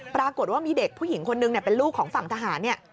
ปรากฏว่ามีเด็กผู้หญิงคนนึงเป็นลูกของฝั่งทหารเนี่ย